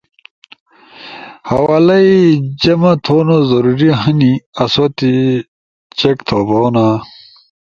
حوالئی جمع تھونو ضروری ہنی آسو تی چیک تھوبونا